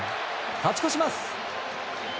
勝ち越します。